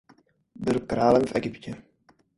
Byl králem v Egyptě.